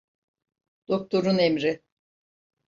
Doktorun emri.